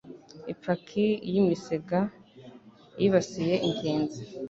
Ipaki yimisega yibasiye ingenzi.